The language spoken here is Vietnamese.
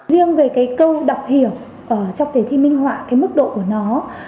riêng về câu đọc hiểu trong đề thi minh hỏa mức độ của nó